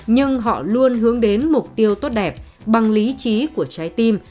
nhưng họ luôn hướng đến mục tiêu tốt đẹp bằng lý trí của trái tim